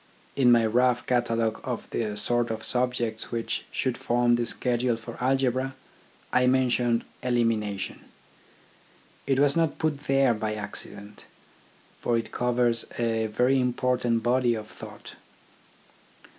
In my rough catalogue of the sort of subjects which should form the schedule for algebra, I mentioned Elimination. It was not put there by accident, for it covers a very important body of thought.